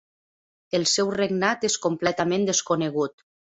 El seu regnat és completament desconegut.